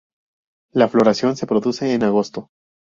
La floración se produce en agosto.